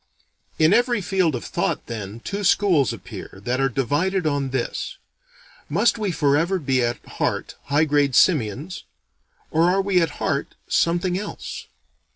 In every field of thought then, two schools appear, that are divided on this: Must we forever be at heart high grade simians? Or are we at heart something else?